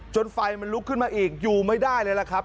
ไฟมันลุกขึ้นมาอีกอยู่ไม่ได้เลยล่ะครับ